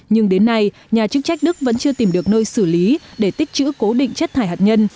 nhưng đến nay nhà chức trách đức vẫn chưa tìm được nơi xử lý để tích chữ cố định chất thải hạt nhân